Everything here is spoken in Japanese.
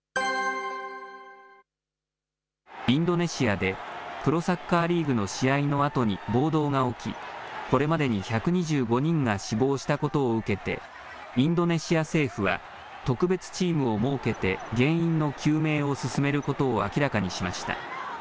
インドネシアでプロサッカーリーグの試合のあとに暴動が起き、これまでに１２５人が死亡したことを受けて、インドネシア政府は特別チームを設けて、原因の究明を進めることを明らかにしました。